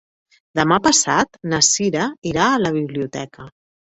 Demà passat na Cira irà a la biblioteca.